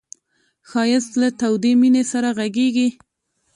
ښایست له تودې مینې سره غږېږي